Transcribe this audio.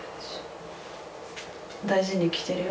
大事に着てるよ。